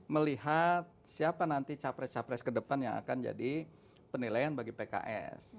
melihat siapa nanti capres capres ke depan yang akan jadi penilaian bagi pks